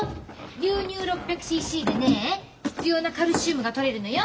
牛乳６００ｃｃでね必要なカルシウムがとれるのよ。